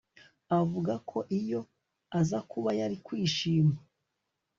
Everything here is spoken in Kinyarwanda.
Avuga ko iyo aza kuba yari kwishima